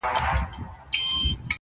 ته توپک را واخله ماته بم راکه,